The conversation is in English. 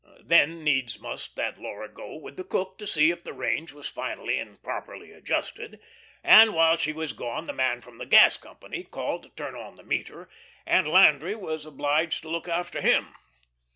Then needs must that Laura go with the cook to see if the range was finally and properly adjusted, and while she was gone the man from the gas company called to turn on the meter, and Landry was obliged to look after him.